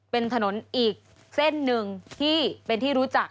เป็นถนนอีกเส้นหนึ่งที่เป็นที่รู้จัก